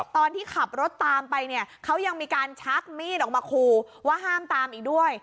ตอนที่ขับรถตามไปเนี่ยเขายังมีการชักมีดออกมาคูว่าห้ามตามอีกด้วย